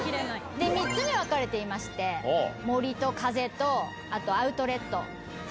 ３つに分かれていまして、モリとカゼと、あとアウトレット。